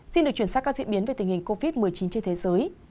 xin được chuyển sang các diễn biến về tình hình covid một mươi chín trên thế giới